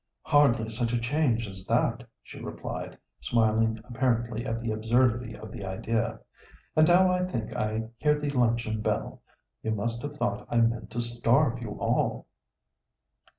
"Hardly such a change as that," she replied, smiling apparently at the absurdity of the idea; "and now I think I hear the luncheon bell. You must have thought I meant to starve you all."